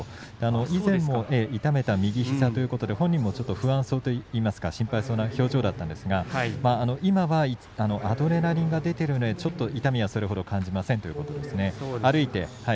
以前も、痛めた右膝ということで本人も不安そうというか心配そうな表情だったんですが今はアドレナリンが出ているので痛みはそれほど感じませんということです。